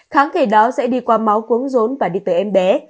kháng thể đó sẽ đi qua máu quấn rốn và đi tới em bé